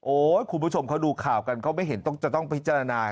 คุณผู้ชมเขาดูข่าวกันเขาไม่เห็นต้องจะต้องพิจารณา